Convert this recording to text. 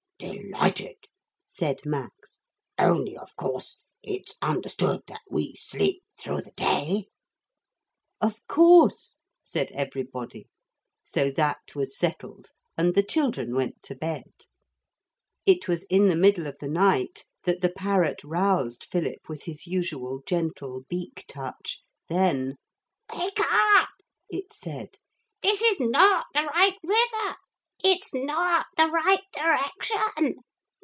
'Delighted!' said Max; 'only, of course, it's understood that we sleep through the day?' 'Of course,' said everybody. So that was settled. And the children went to bed. It was in the middle of the night that the parrot roused Philip with his usual gentle beak touch. Then 'Wake up,' it said; 'this is not the right river. It's not the right direction.